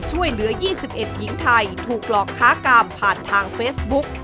ช่วยเหลือ๒๑หญิงไทยถูกหลอกค้ากามผ่านทางเฟซบุ๊ก